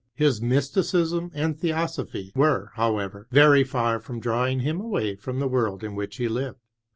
His mysticism and theosophy were, however, very far from drawing him away from the world in which he lived.